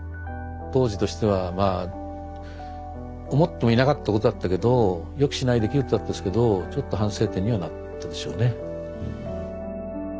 当時としてはまあ思ってもいなかったことだったけど予期しない出来事だったですけどちょっと反省点にはなったでしょうね。